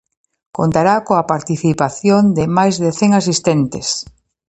Contará coa participación de máis de cen asistentes.